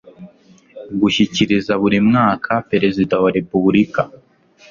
gushyikiriza buri mwaka perezida wa repubulika